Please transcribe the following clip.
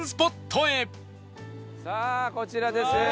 さあこちらです。